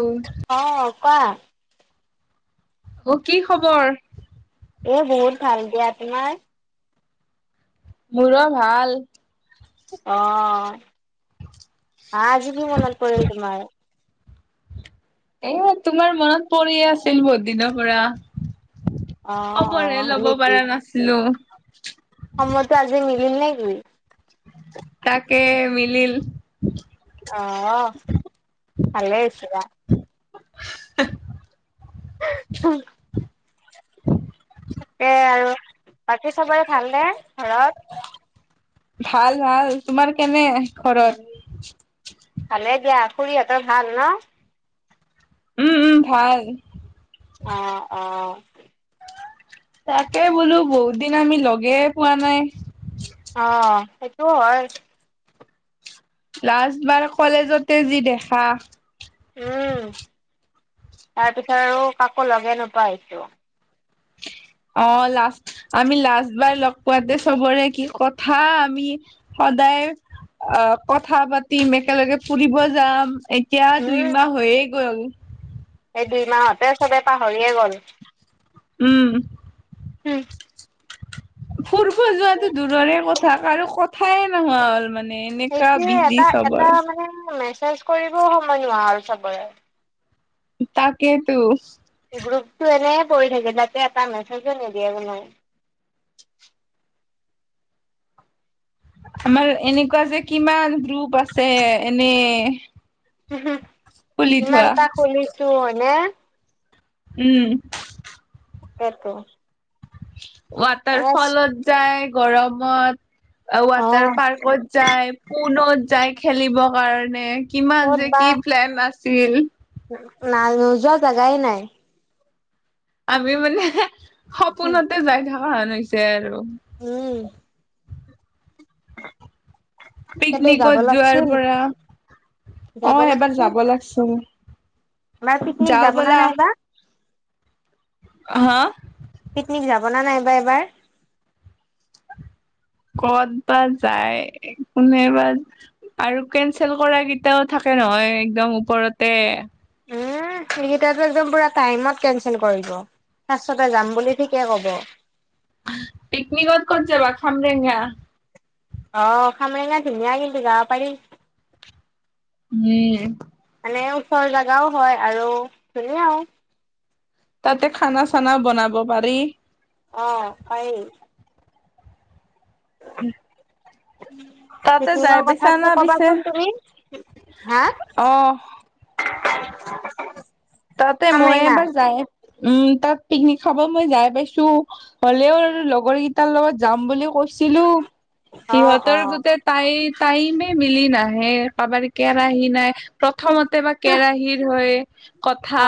ঐ অ কোৱা অ কি খবৰ এ বহুত ভাল দিয়া তোমাৰ মো-ৰ ভাল অ আজি কি মনত পৰিল তোমাৰ? এ তোমাৰ মনত পৰিয়ে আছিল বহুত দিনৰ পৰা। অ অ খবৰ হে হয় ল'ব নেকি পৰা নাছিলো। সময়তো আজি মিলিল নে কি তাকে মিলিল অহ ভালে হৈছে ৰা [unintelligible] তাকে আৰু বাকী চবৰে ভালনে ঘৰত? ভাল ভাল। তোমাৰ কেনে? ঘৰত? [unintelligible] ভালে দিয়া। খুৰীহঁতৰ ভাল ন? উম উম ভাল। অ অ। তাকে বোলো বহুত দিন আমি লগে পোৱা নাই। অ সেইটো হয়। লাষ্ট বাৰ কলেজতে যি দেখা। উম তাৰ পিছত আৰু কাকো লগে নোপোৱা হৈছো। অ লাষ্ট আমি লাষ্টবাৰ লগ পোৱাতে চবৰে কি কথা আমি সদায় অ কথা পাতিম একেলগে ফুৰিব যাম এতিয়া উম দুইমাহ হৈয়ে গ'ল। এই দুই মাহতে চবে পাহৰিয়ে গ'ল। উম। [unintelligible] ফুুৰব যোৱাটো দূৰৰে কথা কাৰো কথাই নোহোৱা হ'ল মান- সেইটোয়ে এটা এটা মানে মেছেজ কৰিবও সময় নোহোৱা আৰু চাবৰে। তাকেতো। গ্ৰুপতটো এনে পৰি থাকে তাতে এটা মেছেজো নিদিয়ে কোনো। আমাৰ এনেকুৱা যে কিমান গ্ৰুপ আছে এনে। হো হো খুলি থোৱা কিমানটা খুলিছো হয়নে? উম। তেতো ৱাটাৰ ফলত যায় গৰমত, অ ৱাটাৰ পাৰ্কত যাই পোনত যায় খেলিব কাৰণে কিমান ক'ত যে বা কি প্লেন আছিল। না নোযোৱা জোগাই নাই। আমি মানে সপোনতে যাই থকা হন হৈছে আৰু। উম। তাকেতো যাব পিকনিকত যোৱাৰ লাগছিল পৰা, অ যাব এবাৰ যাব লাগছিল। বাৰ পিকনিক যাওঁ যাব নে ব'লা। নাই বা। হা। পিকনিক যাব না নাই এইবাৰ এইবাৰ ক'ত বা যায় কোনেবা আৰু কেনচেল কৰা কেইটাও থাকে নহয় একদম ওপৰতে। উম সেই কেইটা টো একদম টাইমত কেঞ্চেল কৰিব। টাছতে যাম বুলি ঠিকে ক'ব। পিকনিকত ক'ত যাবা খামৰেঙা। অ খামৰেঙা ধুনীয়া কিন্তু যাব পাৰি। ইয়ে। মানে ওচৰ জেগাও হয় আৰু ধুনিয়াও। তাতে খানা চানা বনাব পাৰি। অ পাৰি। [unintelligible] তাতে মিটিঙৰ যাই পাইছা কথাটো না পিছে? কবাচোন তুমি হা? অহ। [inaudible] তাতে মই খামৰেঙা এবাৰ যাই উম তাত পিকনিক খাব মই যাই পাইছো। হলেও লগৰ কেইটাৰ লগত যাম বুলিও কৈছিলো, সিহঁতৰ অ অ সিহঁতৰ গোটেত তাই টাইমে মিলি নাহে কাবাৰ কেৰাহী নাই প্ৰথমতে বা কেৰাহীৰ হয় কথা অ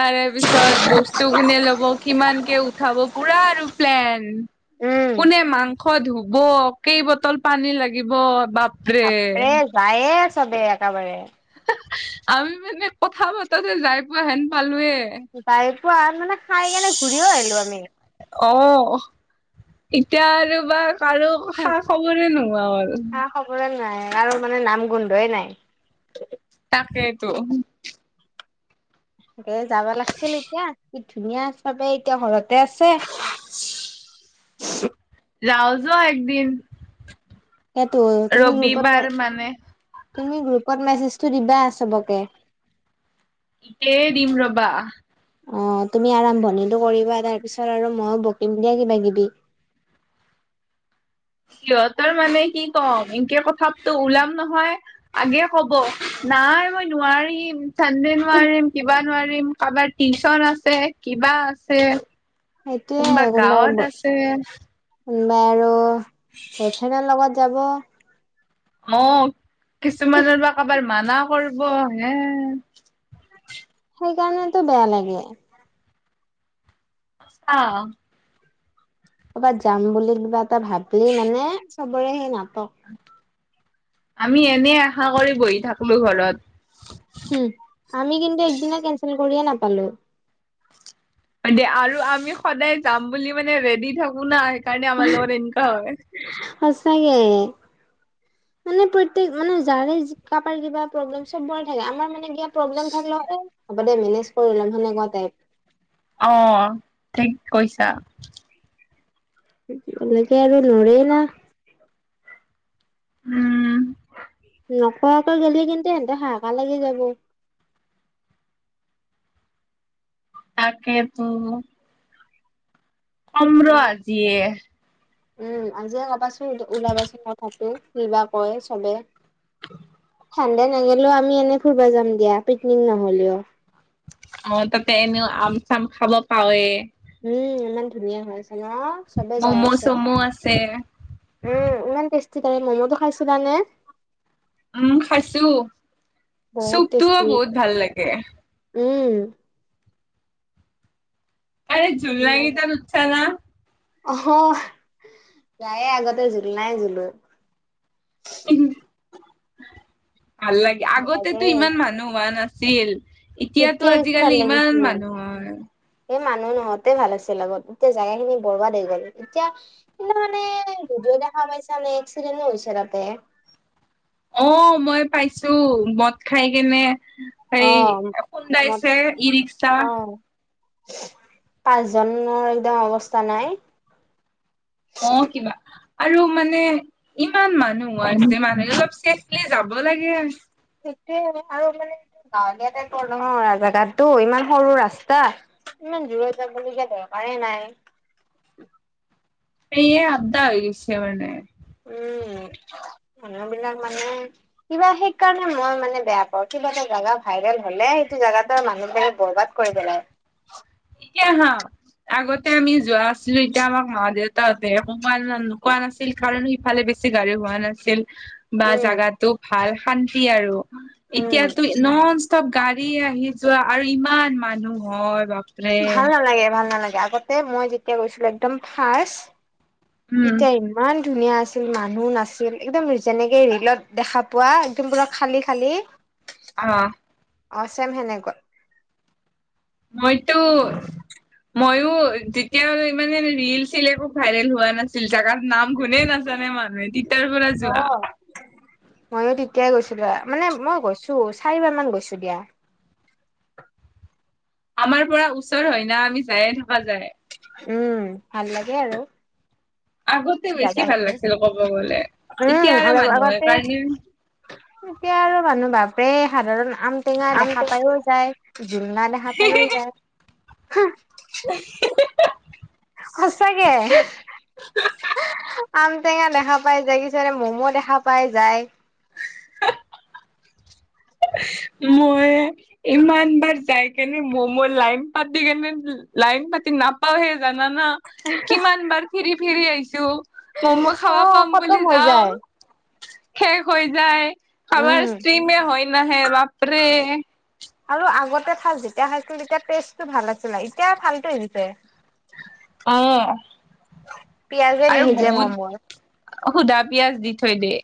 তাৰে পিছত বস্তু কোনে ল'ব কিমান কে উঠাব পুৰা আৰু প্লেন। উম কোনে মাংস ধুব কেই বটল পানী লাগিব বাপ বাপৰে যায়ে আছদে একেবাৰে। আমি মানে কথা পাতাতে যাই পোৱা হেন পালোয়ে। যাই পোৱা হেন মানে খাই কেনে ঘূৰিও আহিলোঁ আমি। অ, এতিয়া আৰু বা কাৰো খা- খবৰে নোহোৱা হ'ল। খা খবৰে নাই আৰু মানে নাম গোন্ধয়ে নাই। তাকেইতো। লৈয়ে যাবা লাগছিল এতিয়া কি ধুনীয়া চবে এতিয়া ঘৰত তে আছে। যাওঁ জ' একদিন সেইটো তুমি গ্ৰুপত ৰবিবাৰ মানে? তুমি গ্ৰুপত মেছেজটো দিবা চবকে। ইতেই এ দিম ৰবা। অ, তুমি আৰম্ভণিটো কৰিবা তাৰপিছত আৰু ময়ো বকিম দিয়া কিবা-কিবি। সিহঁতৰ মানে কি কম ইনকে কথাপটো ওলাম নহয়। আগে কব নাই মই নোৱাৰিম চান্দে নোৱাৰিম কিবা নোৱাৰিম কাবাৰ টিচন আছে, কিবা আছে, কোনোবা গাঁৱত আছে। কোনবাই আৰু বয়ফ্ৰেণ্ড ৰ লগত যাব। অ, কিছুমানৰ বা কাবাৰ মানা কৰব হে। সেইকাৰণতো বেয়া লাগে। [unintelligible] ক'বাত যাম বুলি কিবা এটা ভাবিলি মানে চবৰে সেই নাটক। আমি এনে আশা কৰি বহি থাকলো ঘৰত। হুহ, আমি কিন্তু একদিনে কেনচেল কৰিয়ে নাপালোঁ। হয়দে আৰু আমি সদায় যাম বুলি মানে ৰেডি থাকো না সেইকাৰণে আমাৰ লগত এনকা হয়। সঁচাকে। মানে প্ৰত্যেক মানে জাৰে যি কাবাৰ কিবা প্ৰব্লেম চবৰ থাকে আমাৰ মানে এতিয়া প্ৰব্লেম থাকিলেও এ হ'ব দে মেনেজ কৰি ল'ম সেনেকুৱা টাইপ অ, ঠিক কৈছা। সেইটোৱে এনেকে আৰু নৰে না। উম, নকোৱাকে গেলি কিন্তু সিহতে হাহাকা লাগি যাব। তাকেতো। কম ৰ' এ আজিয়ে। উম, আজিয়ে কবাচোন ওলাবাচোন কথাটো কিবা কয় চবে। [inaudible] হেণ্ডে নেগেলিও আমি এনে ফুৰব যাম দিয়া পিকনিক নহলিয়। অ, তাতে এনেও আম -চাম খাব পাওয়ে। উম, ইমান ধুনীয়া হৈ আছে ন? চবে যাই ম'ম' আছে -চ'ম' আছে। উম, ইমান টেষ্টি তাৰে ম'মটো খাইছিলা নে? উম, খাইছোঁ বহুত চুপটোও টেষ্টি বহুত ভাল লাগে। উম তই জুলানকেইটাত উথচ না অ প্ৰায়ে আগতে জুলনাই জুলো। ভাল লাগে ভাল লাগে আগতেতো ইমান মানুহ হোৱা নাছিল। এতিয়াতো তেতিয়া আজিকালি ইমান মানুহ। হয় এ মানুহ নহওঁতে ভাল আছিল আগত এতিয়া জোগা খিনি বৰৱাদ হৈ গ'ল এতিয়া তুমি মানে গধুৰ দেখা পাইছা নে এক্সিডেনো হৈছে তাতে। অ, মই পাইছো মদ খাই কেনে অ সেই এ মত খোন্দাইছে ই -ৰিক্সা। অ পাঁচজনৰ একদম অৱস্থা নাই। অ কিবা আৰু মানে ইমান মানুহ মানুহ আছে মানুহে অলপ চাই চে লি যাব লাগে। সেইটোৱে আৰু মানে গাঁৱলীয়াতে জেগাতো ইমান সৰু ৰাস্তা ইমান দূৰত যাবলগীয়া দৰকাৰে নাই। এইয়ে আধা হৈ গৈছে মানে। উম মানুহ বিলাক মানে কিবা সেই কাৰণে মই মানে বেয়া পাওঁ কিবা এটা জেগা ভাইৰেল হলে সেইটো জেগাতে মানুহ মানে বৰবাত কৰি পেলাই এতিয়া হা আগতে আমি যোৱা নাছিলো এতিয়া আমাক মা দেউ তাতে তোমাৰ কোৱা নাছিল কাৰণ ইফালে বেছি গাড়ী হোৱা নাছিল বা উম জাগাত টো ভাল শান্তি আৰু উম এতিয়াতো নন ষ্টপ গাড়ী আহি যোৱা আৰু ইমান মানুহ হয় বাপ ভাল নালাগে ভাল নালাগে মই যেতিয়া গৈছিলো একদম ফাষ্ট উম তেতিয়া ইমান ধুনীয়া আছিল মানুহ নাছিল একদম যেনেকে ৰিলত দেখা পোৱা বিলাক খালি খালি আহ অ চেম সেনেকোৱা মইটো ময়ো তেতিয়া ইমানে ৰিল চিল একো ভাইৰেল হোৱা নাছিল জেগাত নাম গুনেই নাছি জানে মানে তিতাৰ পৰা অ যোৱা ময়ো তেতিয়াই গৈছিলো মানে মই গৈছো চাৰিবাৰ মান গৈছো দিয়া আমাৰ পৰা ওচৰ হয় না আমি যায়ে থকা যায় উম ভাল লাগে আৰু আগতে বেছি জাগা ভাল খিনি লাগিছিল কব গলে এতিয়া উম আৰু মানুহ আগতে সেইকাৰণে এতিয়া আৰু মানুহ ভাপে এই সাধাৰণ আম ঔ টেঙা দেখা পায়ও যায় জোলনা দেখা পাইও যায় আহে সঁচাকে আম টেঙা দেখা পাই যায় কিছুমান মম' দেখা পাই যায় মই ইমান বাৰ যাই কেনে মমো লাইন পাতি কেনে লাইন পাতি নাপাওহে জানানা কিমান বাৰ ফিৰি ফিৰি আহিছো মম' অ খাব পাম খতম বুলি হৈ যাও যায় শেষ হৈ যায় উম কাবাৰ ষ্টিমে হৈ নাহে বাপৰে আৰু আগতে ফাষ্ট যেতিয়া খাইছিলোঁ তেতিয়া টেষ্টটো ভাল আছিলে এতিয়া ফালটো আহিছে অহ পিয়াজে নিসিজে ম'ম'ৰ সুদা পিয়াজ দি থৈ দে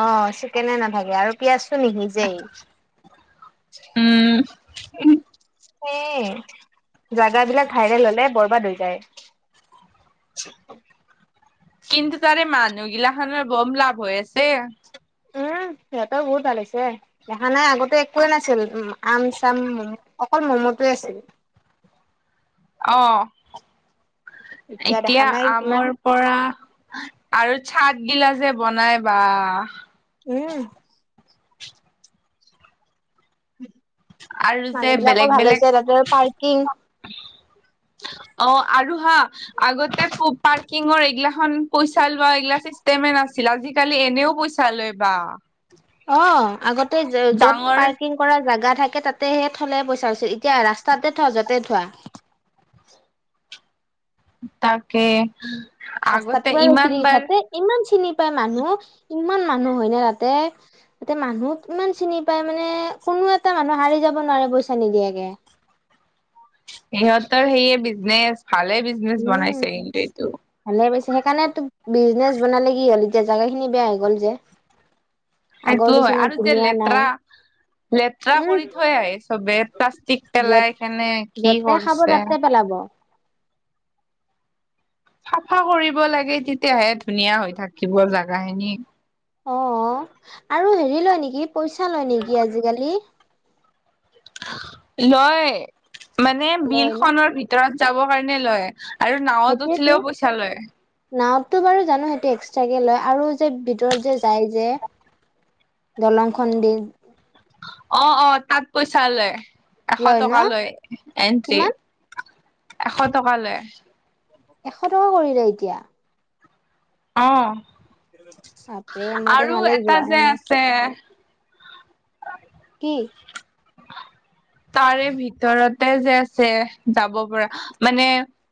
অ চিকেনে নাথাকে আৰু পিয়াজতো নিসিজেই উম উ হেই এ জাগা বিলাক ভাইৰেল হলে বৰবাদ হৈ যায় [unintelligible] কিন্তু তাৰে মানুহগিলাখনৰ বম লাভ হৈ আছে উম সিহঁতৰ বহুত ভাল হৈছে দেখা নাই আগতে একোৱে নাছিল আম চাম অকল ম'ম'টোৱে আছিল অ দেখা এতিয়া নাই কিমান আমৰ পৰা আৰু চাট গিলা যে বনাই বা উম আৰু যে মানুহ বেলেগ বিলাকৰ ভাল বেলেগ হৈছে তাতে পাৰ্কিং অ আৰু হা আগতে পাৰ্কিঙৰ এইগিলাখন পইচালোৱা এইগিলা চিষ্টেমে নাছিল আজিকালি এনেও পইচা চালৈ বা অ আগতে য য'ত ডাঙৰ পাৰ্কিং কৰা জেগা থাকে তাতেহে থলে পইচা লৈচে এতিয়া ৰাস্তাতে থ'ৱা য'তে থ'ৱা তাকে ৰাস্তাত আগতে পুৰা ৰখি ইমান থাকি বাৰ সিহঁতে ইমান চিনি পায় মানুহ ইমান মানুহ হয় নে তাতে তাতে মানুওহ ইমান চিনি পায় মানে কোনো এটা মানুহ হাৰি যাব নোৱাৰে পইচা নিদিয়াকে সিহঁতৰ সেয়ে বিজনেচ ভালে বিজনেচ উম বনাইছে কিন্তু এইটো ভালে পাইছে সেইকাৰণে তোক বিজনেচ বনালে কি হ'ল এতিয়া জাগাখিনি বেয়া হৈ গ'ল যে সেইটো আগৰ হয় নিচিনা আৰু যে ধুনীয়া নাই লেতেৰা লেতেৰা উম কৰি থৈ আহে চবে প্লাষ্টিক পেলাই য'ত কেনে কি যতে খাব কৰিছে তাতে পেলাব চাফা কৰিব লাগে তেতিয়াহে ধুনীয়া হৈ থাকিব জাগা খিনি অ আৰু হেৰি লয় নিকি পইচা লয় নিকি আজিকালি লয় মানে বিল লয় ন খনৰ ভিতৰত যাবৰ কাৰণে লয় আৰু নাৱত উঠিলেও পইচা লয় নাৱত তো বাৰু জানো সেইটো এক্সট্ৰাকে লয় আৰু যে ভিতৰত যে যায় যে দলংখন দি অ অ তাত পইচা লয় এশ টকা লয় এন্ট্ৰি কিমান এশ টকা লয় এশ টকা কৰিলে এতিয়া অ বাপৰে মই আৰু তেনেহ'লে এটা যোৱাই যে নাই আছে [unintelligible] কি [inaudible] তাৰে ভিতৰতে যে আছে যাব পৰা মানে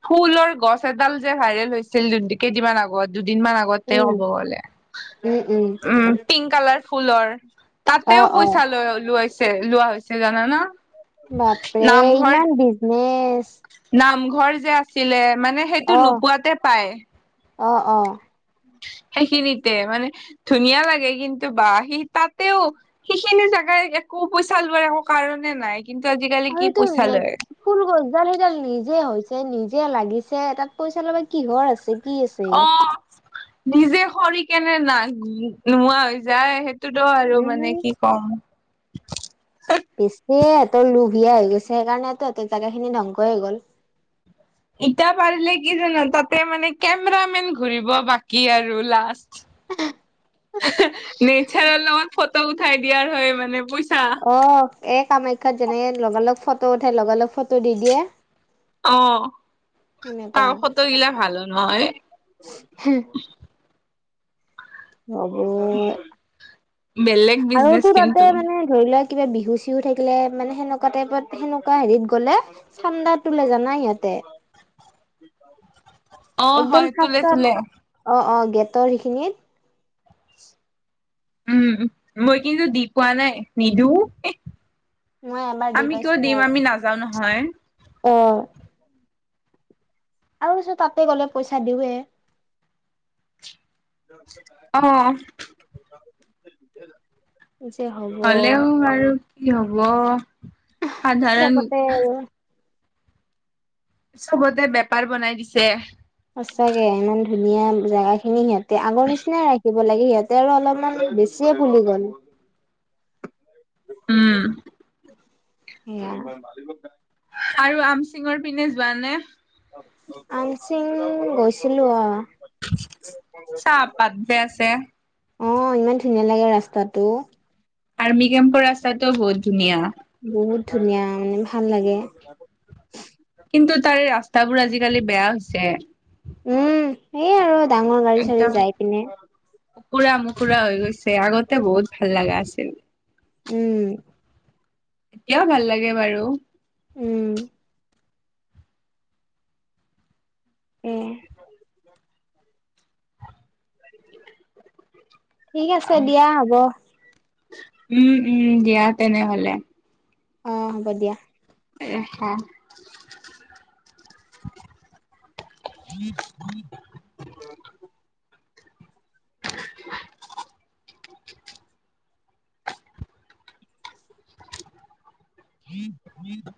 ফুলৰ গছ এডাল যে ভাইৰেল হৈছিল দু কেইদিনমান আগত দুদিনমান আগত লগতে উম ক'ব গ'লে উম পিংক কালাৰ ফুলৰ অ তাতেও অ পইচা লয় লোৱাইছে লোৱা হৈছে জানানা বাপৰে নামঘৰ ইমান বিজনেচ নামঘৰ যে আছিলে মানে সেইটো অ নোপোৱাতে পাই অ অ সেইখিনিতে মানে ধুনীয়া লাগে কিন্তু বা সি তাতেও সেইখিনি জাগাই একো পইচা লোৱাৰ একো কাৰণে নাই কিন্তু আজিকালি আৰু কি এইটো পইচা নেট লয় ফুল গছডাল সেইডাল নিজে হৈছে নিজে লাগিছে তাত পইচা ল'বা কিহৰ আছিল অ নিজে সৰি কেনে না নোহোৱা হৈ যায় সেই সেতুতো আৰু মানে উম কি ক'ম বেছিয়ে হেতৰ লুভিয়া হৈ গৈছে সেইকাৰণে তাহতাৰ জেগা খিনি ধংস হৈ গ'ল ইতা পাৰিলে কি জানা তাতে মানে কেম-ৰা মেন ঘুৰিব বাকী আৰু লাষ্ট [unintelligible] নেচাৰৰ লগত ফটো উঠাই দিয়াৰ হয় মানে পইচা অ এই কামাখ্যাত যেনেকে লগা লগ ফটো উঠাই লগা লগ ফটো দি দিয়ে অ সেনেকুৱা তাৰ ফটো গিলা ভালো নহয় হুম অ'বৌ বেলেগ আৰু বিজনেচ টো তাতে কিন্তু মানে ধৰি লোৱা কিবা বিহু-চিহু থাকিলে মানে সেনেকুৱা টাইপত সেনেকুৱা হেৰিত গ'লে চান্দা তোলে জানা সিহঁতে? অ একদম হয় তোলে ফাষ্টত তোলে অ অ গেটৰ সেইখিনিত উম মই কিন্তু দি পোৱা নাই নিদিও এ মই এবাৰ দি আমি কিয় পাইছো দিম আমি নাযাও নহয় অ আৰু যে তাতে গ'লে পইচা দিওঁৱে। অ। [unintelligible] যে হম হ'লেও আৰু কি হ'ব? সাধাৰণ চবতে আৰু চবতে বেপাৰ বনাই দিছে। সঁচাকে ইমান ধুনীয়া জেগা খিনি সিহঁতে আগৰ নিচিনা ৰাখিব লাগে সিহঁতে আৰু অলপমান বেছিয়ে ফুলি গ'ল। উম। সেইয়া [unintelligible] আৰু আমচিঙৰ পিনে যোৱা নে? আমচিং গৈছিলো অ। [unintelligible] চাহপাত যে আছে অ ইমান ধুনীয়া লাগে ৰাস্তাটো। অৰ্মিকেম্পৰ ৰাস্তাটোও বহুত ধুনীয়া। বহুত ধুনীয়া উম ভাল লাগে। কিন্তু তাৰে ৰাস্তাবোৰ আজি-কালি বেয়া হৈছে। উম সেই আৰু ডাঙৰ গাড়ী-চাড়ী একদম যাই পিনে কুকুৰা মুকুৰা হৈ গৈছে। আগতে বহুত ভাল লাগা আছিল। উম। কিয় ভাল লাগে বাৰু? উম। উ। ঠিক আছে দিয়া হ'ব। উম, উম দিয়া তেনেহ'লে। অ, হ'ব দিয়া। এ হা। [inaudible] [inaudible] [inaudible]